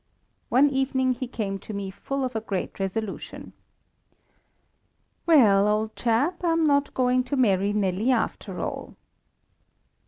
One evening he came to me full of a great resolution. "Well, old chap, I'm not going to marry Nelly after all."